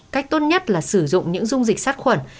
cách tốt nhất là sử dụng những dung dịch sát khuẩn